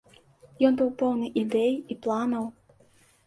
Ён быў поўны ідэй і планаў.